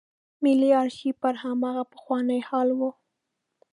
ملي آرشیف پر هماغه پخواني حال و.